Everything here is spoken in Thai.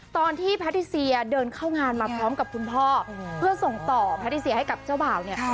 แพทิเซียเดินเข้างานมาพร้อมกับคุณพ่อเพื่อส่งต่อแพทิเซียให้กับเจ้าบ่าวเนี่ย